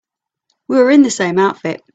We were in the same outfit.